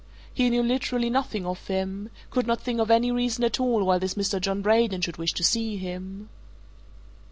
He knew literally nothing of him could not think of any reason at all why this Mr. John Braden should wish to see him.